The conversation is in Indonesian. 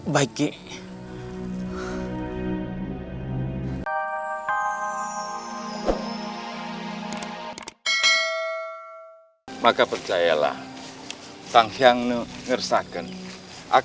baik kisana sebentar